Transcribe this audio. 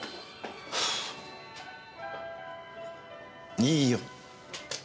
いいよ。